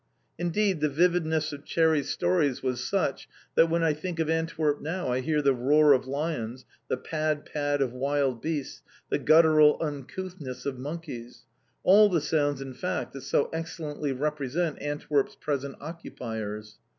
Indeed the vividness of Cherry's stories was such, that, when I think of Antwerp now, I hear the roar of lions, the pad pad of wild beasts, the gutteral uncouthness of monkeys all the sounds in fact that so excellently represent Antwerp's present occupiers!